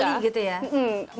pamali gitu ya